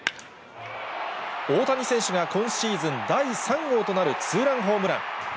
大谷選手が今シーズン第３号となるツーランホームラン。